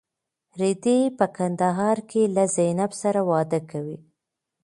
رېدی په کندهار کې له زینب سره واده کوي.